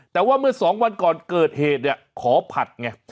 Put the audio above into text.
แต่ว่าเมื่อ๒วันก่อนเกิดเหตุเนี่ยขอผัดไง